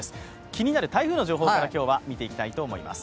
気になる台風の状況から、今日は見ていきたいと思います。